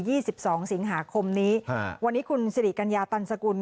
สิบสองสิงหาคมนี้ฮะวันนี้คุณสิริกัญญาตันสกุล